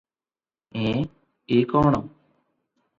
‘ଏଁ – ଏ କଅଣ?